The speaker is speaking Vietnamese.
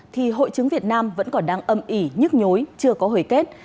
thì hội chứng việt nam vẫn còn đang âm ỉ nhức nhối chưa có hồi kết